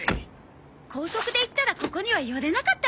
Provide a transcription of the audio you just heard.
高速で行ったらここには寄れなかったわよね。